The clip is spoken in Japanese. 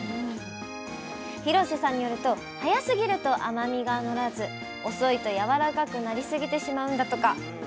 廣瀬さんによると早すぎると甘みがのらず遅いとやわらかくなりすぎてしまうんだとか。